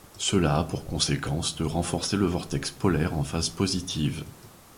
Cela a pour conséquence de renforcer le vortex polaire en phase positive.